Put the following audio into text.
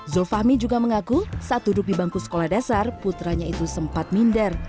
zulfahmi juga mengaku saat duduk di bangku sekolah dasar putranya itu sempat minder